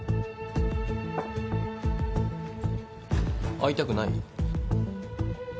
会いたくない？